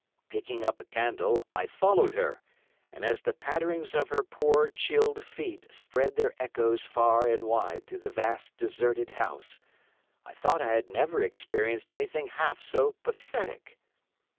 Picking up a candle, I followed her, and, as the patterings of her poor, chilled feet spread their echoes far and wide through the vast deserted house, I thought I had never experienced anything half so pathetic.